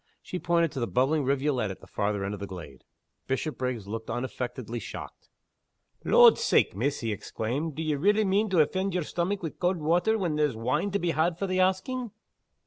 She pointed to the bubbling rivulet at the farther end of the glade. Bishopriggs looked unaffectedly shocked. "Lord's sake, miss," he exclaimed "d'ye relly mean to offend yer stomach wi' cauld water when there's wine to be had for the asking!"